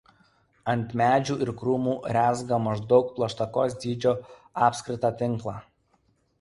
Ant medžių ir krūmų rezga maždaug plaštakos dydžio apskritą tinklą.